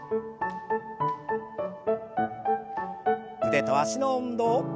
腕と脚の運動。